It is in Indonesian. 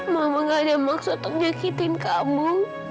mama nggak ada maksud untuk ngejakin kamu